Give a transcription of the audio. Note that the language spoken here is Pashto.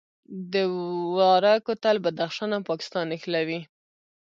د دوراه کوتل بدخشان او پاکستان نښلوي